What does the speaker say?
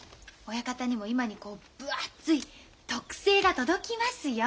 親方にも今にこう分厚い特製が届きますよ。